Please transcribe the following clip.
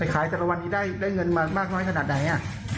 ขายแต่ละวันนี้ได้เงินมามากน้อยขนาดไหน